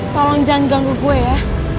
tolong jangan ganggu gue ya